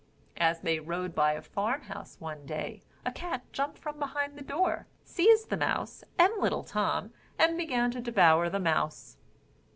As they rode by a farm house one day, a cat jumped from behind the door, seized the mouse and little Tom, and began to devour the mouse.